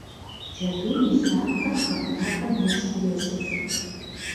Джэдум и лъапэр къэдабэм ещхьу ещӏыф.